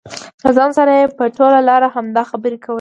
له ځان سره یې په ټوله لار همدا خبرې کولې.